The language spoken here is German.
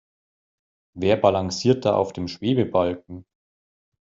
Wer balanciert da auf dem Schwebebalken?